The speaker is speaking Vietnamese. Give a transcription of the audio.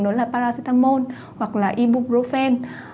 đó là paracetamol hoặc là ibuprofen